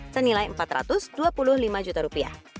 senilai empat ratus dua puluh lima juta rupiah